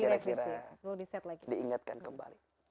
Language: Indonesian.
di revisi ya perlu di set lagi diingatkan kembali